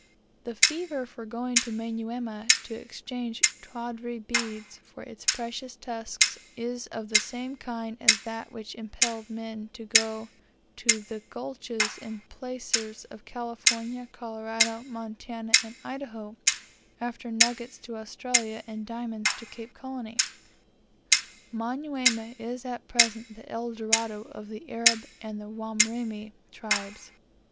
The fever for going to Manyuema to exchange tawdry beads for its precious tusks is of the same kind as that which impelled men to go to the gulches and placers of California, Colorado, Montana, and Idaho; after nuggets to Australia, and diamonds to Cape Colony. Manyuema is at present the El Dorado of the Arab and the Wamrima tribes.